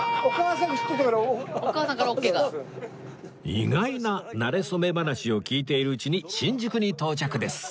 意外ななれ初め話を聞いているうちに新宿に到着です